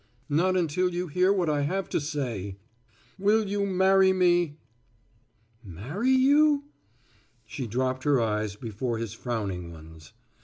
"Not until you hear what I have to say. Will you marry me?" "Marry you?" She dropped her eyes before his frowning ones.